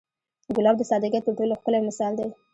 ګلاب د سادګۍ تر ټولو ښکلی مثال دی.